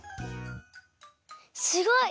すごい！